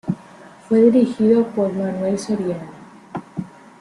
Fue dirigido por Manuel Soriano.